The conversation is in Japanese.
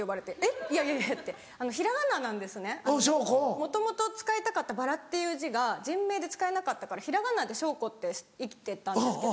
もともと使いたかった薔薇っていう字が人名で使えなかったから平仮名で「しょうこ」って生きてたんですけど。